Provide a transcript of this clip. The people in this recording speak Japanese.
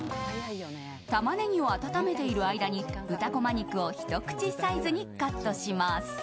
タマネギを温めている間に豚こま肉をひと口サイズにカットします。